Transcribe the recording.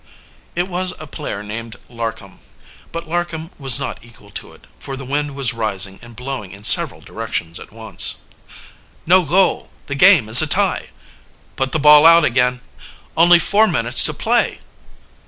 It was a player named Larcom. But Larcom was not equal to it, for the wind was rising and blowing in several directions at once. "No goal! The game is a tie!" "Put the ball out again!" "Only four minutes to play!"